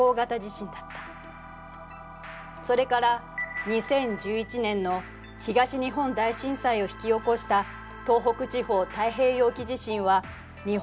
それから２０１１年の東日本大震災を引き起こした東北地方太平洋沖地震は日本海溝が震源。